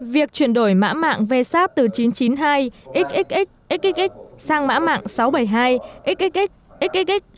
việc chuyển đổi mã mạng vsat từ chín trăm chín mươi hai xxx xxx sang mã mạng sáu trăm bảy mươi hai xxx xxx